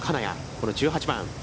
この１８番。